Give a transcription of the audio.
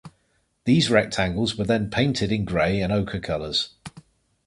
These rectangles were then painted in gray and ochre colors.